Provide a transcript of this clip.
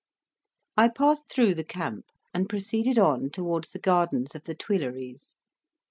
I passed through the camp, and proceeded on towards the gardens of the Tuilleries.